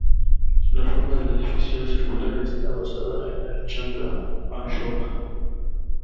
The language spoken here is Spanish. La forma del edificio es circular y está basada en el Chakra Ashoka.